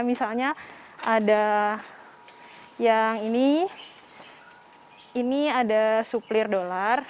misalnya ada yang ini ini ada suplir dolar